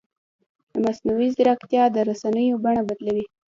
مصنوعي ځیرکتیا د رسنیو بڼه بدلوي.